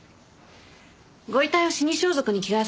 ご遺体を死に装束に着替えさせた